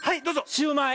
シューマイ！